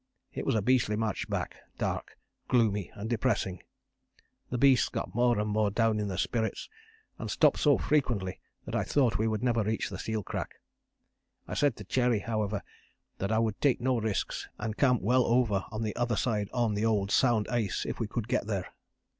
It was a beastly march back: dark, gloomy and depressing. The beasts got more and more down in their spirits and stopped so frequently that I thought we would never reach the seal crack. I said to Cherry, however, that I would take no risks, and camp well over the other side on the old sound ice if we could get there.